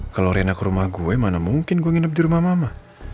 kalau rena ke rumah gue mana mungkin gue nginep di rumah mama